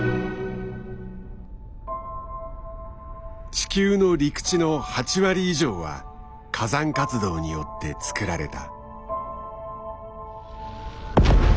地球の陸地の８割以上は火山活動によってつくられた。